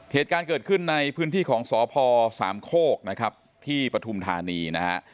เหตุการณ์เกิดขึ้นในพื้นที่ของสพสามโคกนะครับที่ปฐุมธานีนะฮะ